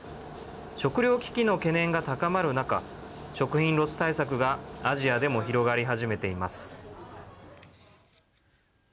食料危機の懸念が高まる中食品ロス対策がアジアでも広がり始めています。